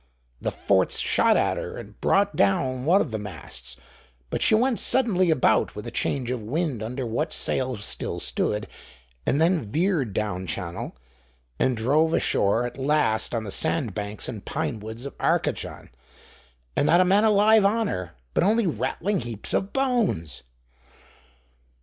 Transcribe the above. The forts shot at her and brought down one of the masts, but she went suddenly about with a change of wind under what sail still stood, and then veered down Channel, and drove ashore at last on the sandbanks and pinewoods of Arcachon, and not a man alive on her, but only rattling heaps of bones!